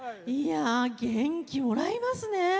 元気もらいますね。